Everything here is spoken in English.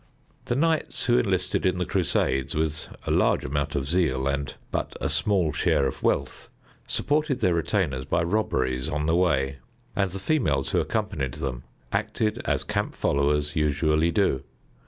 The knights who enlisted in the Crusades, with a large amount of zeal and but a small share of wealth, supported their retainers by robberies on the way, and the females who accompanied them acted as camp followers usually do.